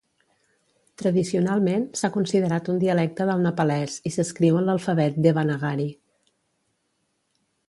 Tradicionalment s'ha considerat un dialecte del nepalès i s'escriu en l'alfabet Devanagari.